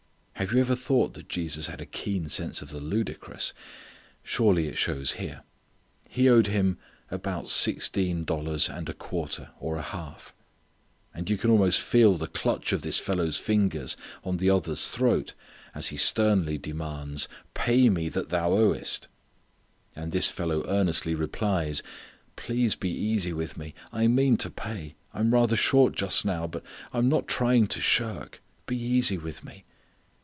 Have you ever thought that Jesus had a keen sense of the ludicrous? Surely it shows here. He owed him about sixteen dollars and a quarter or a half! And you can almost feel the clutch of this fellow's fingers on the other's throat as he sternly demands: "Pay me that thou owest." And his fellow earnestly replies, "Please be easy with me; I mean to pay; I'm rather short just now: but I'm not trying to shirk; be easy with me."